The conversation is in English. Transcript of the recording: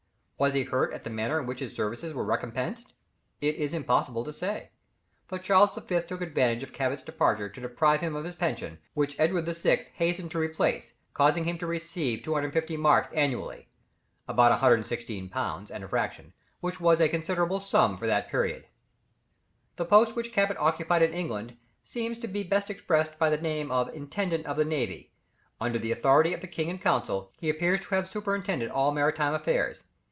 Was he hurt at the manner in which his services were recompensed? It is impossible to say. But Charles V. took advantage of Cabot's departure to deprive him of his pension, which Edward VI. hastened to replace, causing him to receive 250 marks annually, about 116_l._ and a fraction, which was a considerable sum for that period. The post which Cabot occupied in England seems to be best expressed by the name of Intendant of the Navy; under the authority of the king and council, he appears to have superintended all maritime affairs.